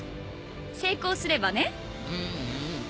成功すればね。